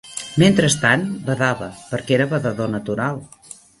Mentrestant, badava, perquè era badador natural